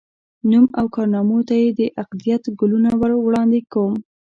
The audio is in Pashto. نوم او کارنامو ته یې د عقیدت ګلونه وړاندي کوم